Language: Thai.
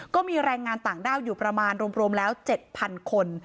ก็มีแรงงานต่างด้าวอยู่ประมาณรวมแล้ว๗๐๐คน